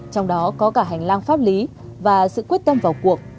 trong đó có cả hành lang pháp lý và sự quyết tâm vào cuộc